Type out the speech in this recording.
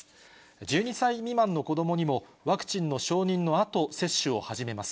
１２歳未満の子どもにもワクチンの承認のあと、接種を始めます。